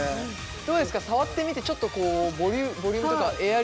どうですか触ってみてちょっとこうボリュームとかエアリー感は感じます？